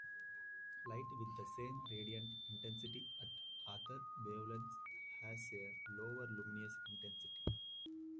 Light with the same radiant intensity at other wavelengths has a lower luminous intensity.